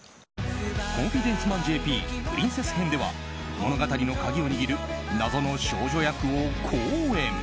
「コンフィデンスマンＪＰプリンセス編」では物語の鍵を握る謎の少女役を好演。